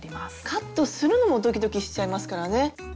カットするのもドキドキしちゃいますからね。